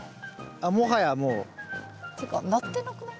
あっもはやもう。っていうかなってなくない？